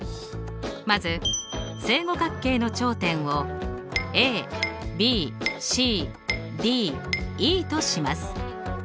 まず正五角形の頂点をＡＢＣＤＥとします。